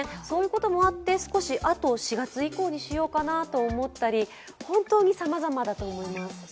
そういうこともあって４月以降にしようかなと思ったり、本当にさまざまだと思います。